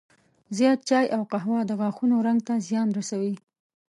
زیات چای او قهوه د غاښونو رنګ ته زیان رسوي.